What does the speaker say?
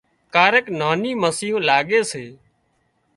ڪاريڪ ناني مسيون لاڳي سي